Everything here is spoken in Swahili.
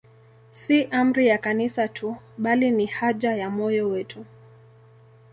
Si amri ya Kanisa tu, bali ni haja ya moyo wetu.